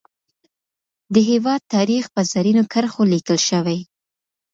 د هیواد تاریخ په زرینو کرښو لیکل شوی.